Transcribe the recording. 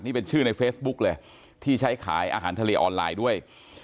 นี่เป็นชื่อในเฟซบุ๊กเลยที่ใช้ขายอาหารทะเลออนไลน์ด้วย